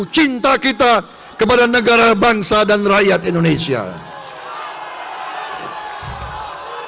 pintanya adalah kita akan membangun barisan yang mampu mencapai cita cita indonesia menang